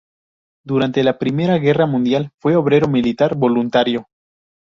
Durante la Primera Guerra Mundial fue obrero militar voluntario.